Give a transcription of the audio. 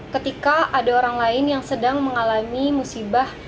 ketika ada orang lain yang sedang mengalami musibah